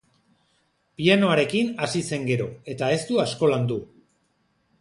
Pianoarekin hasi zen gero, eta ez du asko landu.